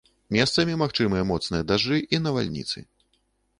Месцамі магчымыя моцныя дажджы і навальніцы.